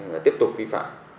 và tiếp tục vi phạm